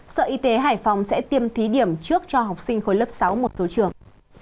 sở y tế hải phòng sẽ tiêm thí điểm trước cho học sinh khối lớp sáu một số trường